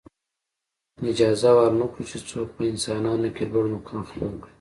اجازه ورنه کړو چې څوک په انسانانو کې لوړ مقام خپل کړي.